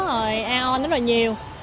rồi aon rất là nhiều